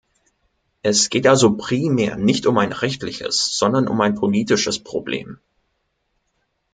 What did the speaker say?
Es geht also primär nicht um ein rechtliches, sondern um ein politisches Problem.